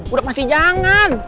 udah pasti jangan